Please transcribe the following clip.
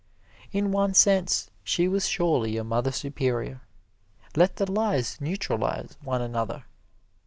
In one sense she was surely a Mother Superior let the lies neutralize one another.